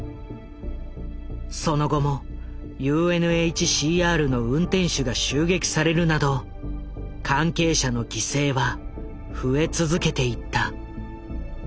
その後もＵＮＨＣＲの運転手が襲撃されるなど関係者の犠牲は増え続けていった。